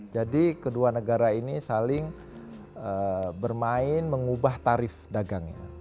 jadi kedua negara ini saling bermain mengubah tarif dagangnya